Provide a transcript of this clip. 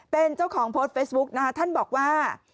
เป็นเจ้าของโพสต์เฟซบุ๊กนะคะท่านบอกว่า